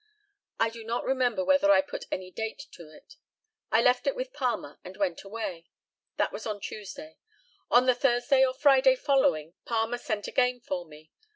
I do not remember whether I put any date to it. I left it with Palmer, and went away. That was on Tuesday. On the Thursday or Friday following Palmer sent again for me.